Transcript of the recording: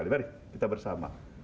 mari kita bersama